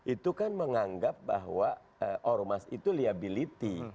itu kan menganggap bahwa ormas itu liability